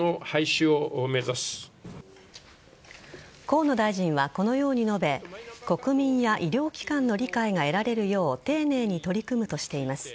河野大臣はこのように述べ国民や医療機関の理解が得られるよう丁寧に取り組むとしています。